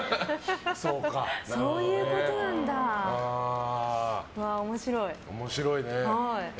そういうことなんだ、面白い。